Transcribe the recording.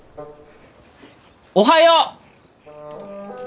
おはよう！